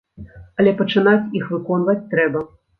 Але пачынаць іх выконваць трэба.